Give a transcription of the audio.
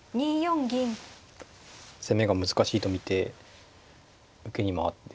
攻めが難しいと見て受けに回って。